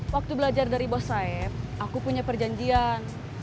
waktu belajar dari bos saif aku punya perjanjian